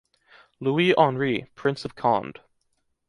Louis Henri, Prince of Condé.